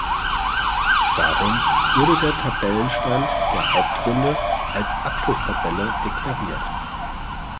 Darum wurde der Tabellenstand der Hauptrunde als Abschlusstabelle deklariert.